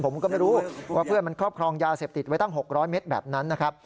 ผมก็ไม่รู้ว่าเพื่อนมันครอบครองยาเสพติดไว้ตั้ง๖๐๐เมตรแบบนั้นนะครับ